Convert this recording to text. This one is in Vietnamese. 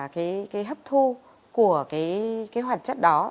cái hấp thu của cái hoạt chất đó